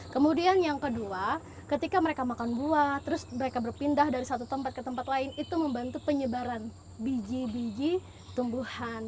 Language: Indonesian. kemudian yang kedua ketika mereka makan buah terus mereka berpindah dari satu tempat ke tempat lain itu membantu penyebaran biji biji tumbuhan